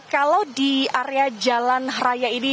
kalau di area jalan raya ini